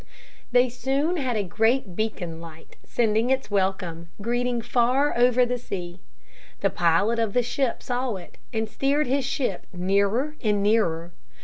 They soon had a great beacon light sending its welcome greeting far over the sea. The pilot of the ship saw it and steered his ship nearer and nearer.